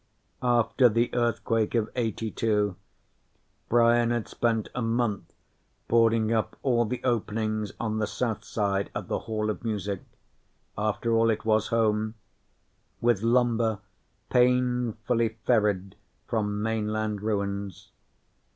After the earthquake of '82, Brian had spent a month boarding up all the openings on the south side of the Hall of Music after all, it was home with lumber painfully ferried from mainland ruins.